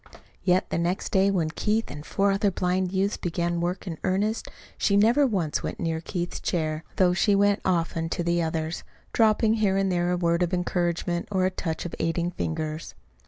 Yet the next day when Keith and four other blind youths began work in earnest, she never once went near Keith's chair, though she went often to the others, dropping here and there a word of encouragement or a touch of aiding fingers.